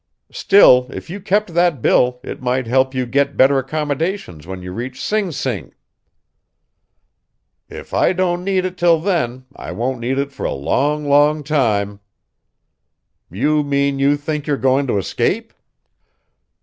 "Still, if you kept that bill it might help you get better accommodations when you reach Sing Sing." "If I don't need it till then I won't need it for a long, long time." "You mean you think you're going to escape?"